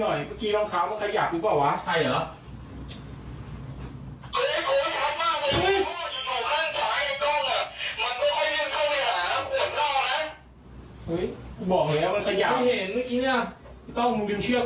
เฮ้ยกูบอกเลยหรือมันขยับเฮ้ยเห็นเมื่อกี้นี่นะไม่ต้องหยุดเชือก